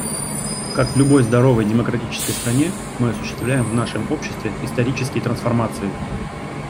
Как в любой здоровой демократической стране, мы осуществляем в нашем обществе исторические трансформации.